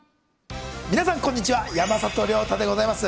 皆さんこんにちは山里亮太でございます